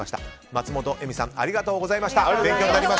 松本絵美さんありがとうございました。